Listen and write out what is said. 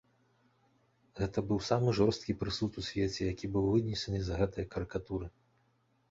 Гэта быў самы жорсткі прысуд у свеце, які быў вынесены за гэтыя карыкатуры.